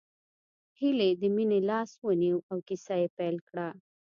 هيلې د مينې لاس ونيو او کيسه يې پيل کړه